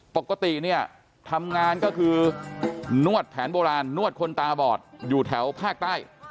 ปกติเนี่ยทำงานก็คือนวดแผนโบราณนวดคนตาบอดอยู่แถวภาคใต้